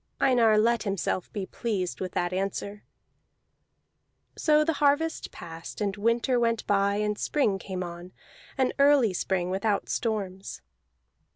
Einar let himself be pleased with that answer. So the harvest passed, and winter went by and spring came on, an early spring without storms.